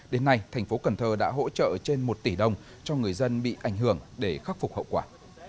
đến nay thành phố cần thơ đã hỗ trợ trên một tỷ đồng cho người dân bị ảnh hưởng để khắc phục hậu quả